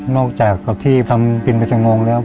นอกจากการที่ทำกินขับชำนวงแล้ว